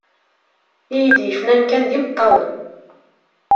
I yi-d-yefnan kan d imeṭṭawen.